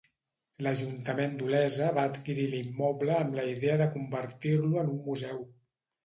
L'Ajuntament d'Olesa va adquirir l'immoble amb la idea de convertir-lo en un museu.